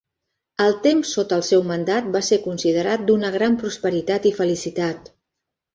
El temps sota el seu mandat va ser considerat d'una gran prosperitat i felicitat.